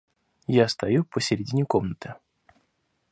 Я стою посередине комнаты.